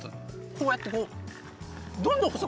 こうやってこうどんどん細くする。